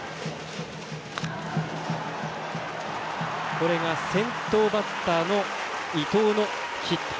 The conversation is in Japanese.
これが先頭バッターの伊藤のヒット。